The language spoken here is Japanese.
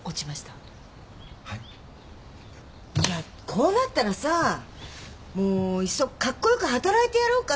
こうなったらさもういっそカッコ良く働いてやろうか。